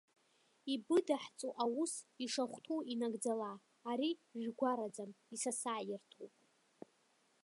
Ибыдаҳҵо аус ишахәҭоу инагӡала, ари жәгәараӡам, исасааирҭоуп!